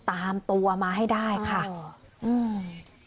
ตามตัวมาให้ได้ค่ะอ๋ออืม